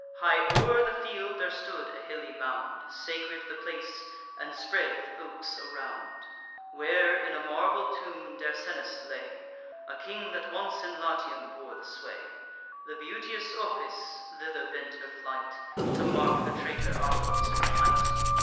High o'er the field there stood a hilly mound, Sacred the place, and spread with oaks around, Where, in a marble tomb, Dercennus lay, A king that once in Latium bore the sway. The beauteous Opis thither bent her flight, To mark the traitor Aruns from the height.